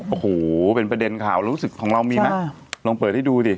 โอ้โหเป็นประเด็นข่าวรู้สึกของเรามีไหมลองเปิดให้ดูดิ